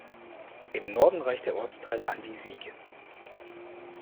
Im Norden reicht der Ortsteil an die Sieg.